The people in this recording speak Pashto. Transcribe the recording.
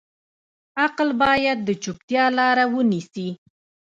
عقل باید د چوپتیا لاره ونیسي.